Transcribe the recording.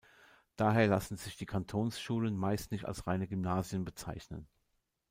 Daher lassen sich die Kantonsschulen meist nicht als reine Gymnasien bezeichnen.